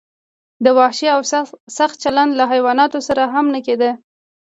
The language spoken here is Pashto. دا وحشي او سخت چلند له حیواناتو سره هم نه کیده.